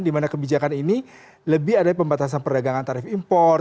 dimana kebijakan ini lebih ada pembatasan perdagangan tarif impor